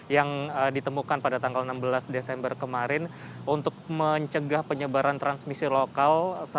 yang ditemukan pada tanggal enam belas desember kemarin untuk mencegah penyebaran transmisi lokal